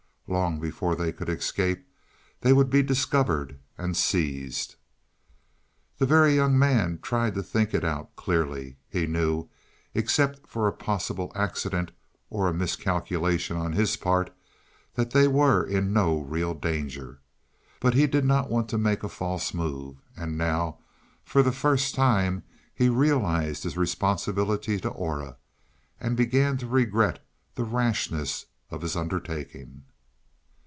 Long before they could escape they would be discovered and seized. The Very Young Man tried to think it out clearly. He knew, except for a possible accident, or a miscalculation on his part, that they were in no real danger. But he did not want to make a false move, and now for the first time he realized his responsibility to Aura, and began to regret the rashness of his undertaking.